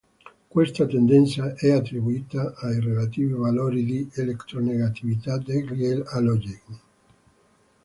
Questa tendenza è attribuita ai relativi valori di elettronegatività degli alogeni.